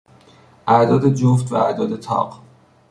اعداد جفت و اعداد تاق